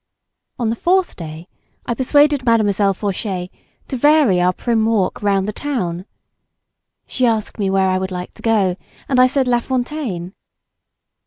On the fourth day I persuaded Mademoiselle Faucher to vary our prim walk round the town. She asked me where I would like to go, and I said La Fontaine.